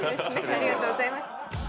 ありがとうございます。